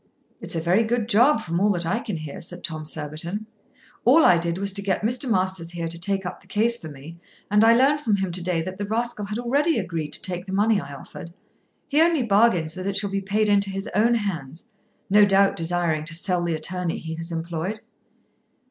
"It's a very good job from all that I can hear," said Tom Surbiton. "All I did was to get Mr. Masters here to take up the case for me, and I learned from him to day that the rascal had already agreed to take the money I offered. He only bargains that it shall be paid into his own hands, no doubt desiring to sell the attorney he has employed."